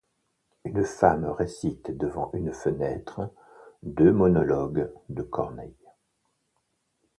Une femme récite devant une fenêtre deux monologue de Corneille.